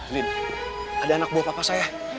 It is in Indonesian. lin ada anak buah papa saya